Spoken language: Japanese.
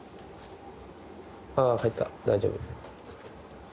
あぁ入った大丈夫。